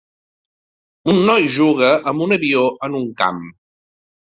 Un noi juga amb un avió en un camp.